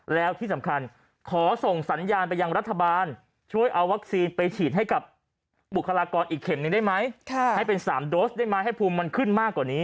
แล้วที่สำคัญขอส่งสัญญาณไปยังรัฐบาลช่วยเอาวัคซีนไปฉีดให้กับบุคลากรอีกเข็มหนึ่งได้ไหมให้เป็น๓โดสได้ไหมให้ภูมิมันขึ้นมากกว่านี้